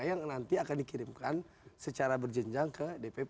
yang nanti akan dikirimkan secara berjenjang ke dpp